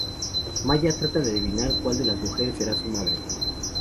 Maya trata de adivinar cuál de las mujeres será su madre.